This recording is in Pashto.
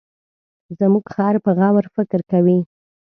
زموږ خر په غور فکر کوي.